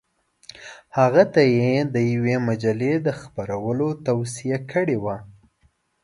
هغه ته یې د یوې مجلې د خپرولو توصیه کړې وه.